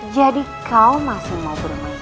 jadi kau masih mau bermain main dengan aku